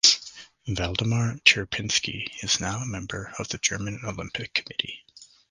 Waldemar Cierpinski is now a member of the German Olympic Committee.